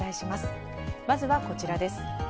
まずはこちらです。